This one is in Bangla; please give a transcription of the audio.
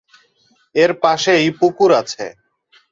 এর পাশেই পুকুর আছে।